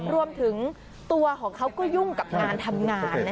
รวมถึงตัวของเขาก็ยุ่งกับงานทำงาน